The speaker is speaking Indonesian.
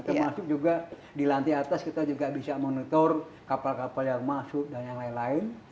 termasuk juga di lantai atas kita juga bisa monitor kapal kapal yang masuk dan yang lain lain